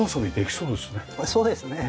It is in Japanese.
そうですね。